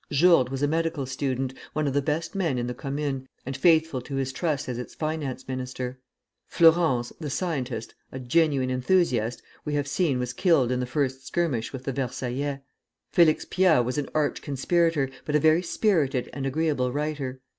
Jourde was a medical student, one of the best men in the Commune, and faithful to his trust as its finance minister. Flourens, the scientist, a genuine enthusiast, we have seen was killed in the first skirmish with the Versaillais. Félix Pyat was an arch conspirator, but a very spirited and agreeable writer.